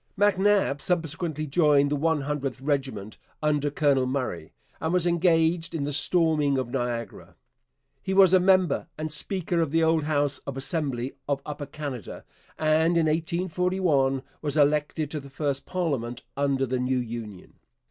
MacNab subsequently joined the 100th Regiment under Colonel Murray, and was engaged in the storming of Niagara. He was a member and speaker of the old House of Assembly of Upper Canada, and in 1841 was elected to the first parliament under the new Union.